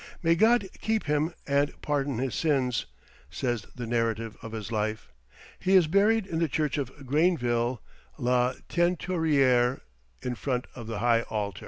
"May God keep him and pardon his sins," says the narrative of his life; "he is buried in the church of Grainville la Teinturière, in front of the high altar."